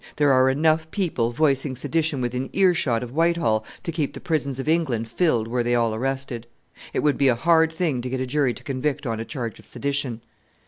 there are enough people voicing sedition within earshot of Whitehall to keep the prisons of England filled were they all arrested. It would be a hard thing to get a jury to convict on a charge of sedition."